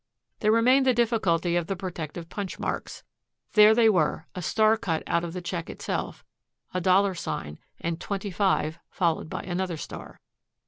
There remained the difficulty of the protective punch marks. There they were, a star cut out of the check itself, a dollar sign and 25 followed by another star.